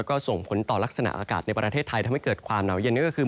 ก็ส่งผลต่อลักษณะอากาศในประเทศไทยทำให้เกิดความหนาวเย็นนั่นก็คือ